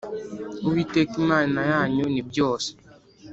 Uwiteka Imana yanyu nibyose.